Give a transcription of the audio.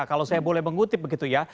kalau saya boleh mengutip begitu ya